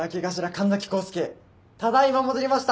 神崎康介ただ今戻りました。